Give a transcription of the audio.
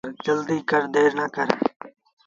جلديٚ ڪر دير نا ڪر۔